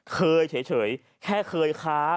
เคยเฉยแค่เคยค้า